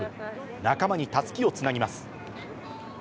仲間にたすきをつなぎます。